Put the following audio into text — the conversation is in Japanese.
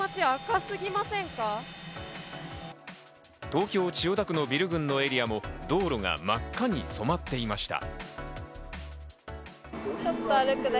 東京・千代田区のビル群のエリアも道路が真っ赤に染まっていました。